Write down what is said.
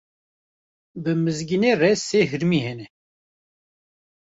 Bi Mizgînê re sê hirmî hene.